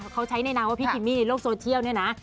เขาใช้ในนามว่าพี่คิมมี่ในโลกโซเชียลเนี่ยนะ